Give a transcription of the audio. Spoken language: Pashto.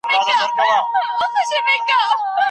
د عزت ساتني دپاره اراده مهمه ده.